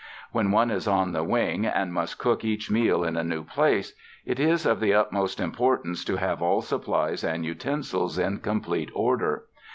When one is on the wing and must cook each meal in a new place, it is of the utmost importance to have all supplies and utensils in complete order.